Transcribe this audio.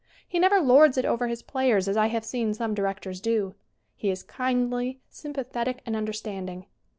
He never lords it over his players as I have seen some directors do. He is kindly, sympathetic and understanding.